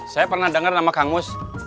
saya pernah denger nama kang mus